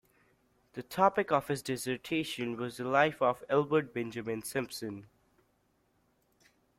The topic of his dissertation was the life of Albert Benjamin Simpson.